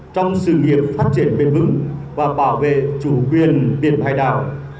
trong sự nghiệp phát triển bền vững và bảo vệ chủ quyền biển hải đảo